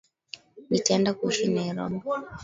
Nitaenda kuishi Nairobi